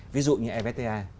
ví dụ như fta